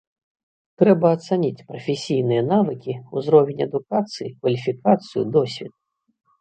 Трэба ацаніць прафесійныя навыкі, узровень адукацыі, кваліфікацыю, досвед.